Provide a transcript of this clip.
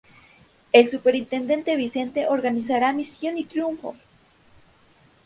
El Superintendente Vicente organizará "¡Misión triunfo!